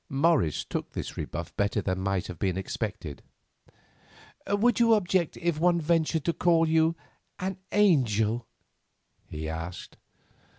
Morris took this rebuff better than might have been expected. "Would you object if one ventured to call you an angel?" he asked.